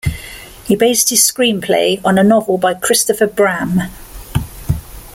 He based his screenplay on a novel by Christopher Bram.